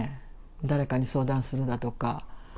誰かに相談するだとか。